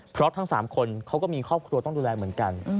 เพราะทั้ง๓คนเขาก็มีครอบครัวต้องดูแลเหมือนกัน